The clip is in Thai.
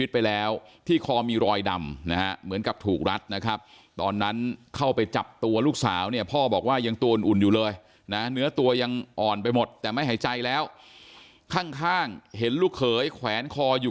มัดนะครับตอนนั้นเข้าไปจับตัวลูกสาวเนี่ยพ่อบอกว่ายังตัว